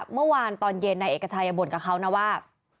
เมื่อวานตอนเย็นนายเอกชัยบ่นกับเขานะว่า